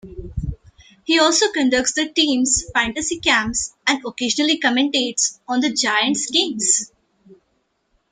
He also conducts the team's fantasy camps and occasionally commentates on Giants' games.